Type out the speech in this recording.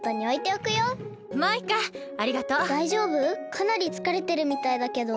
かなりつかれてるみたいだけど。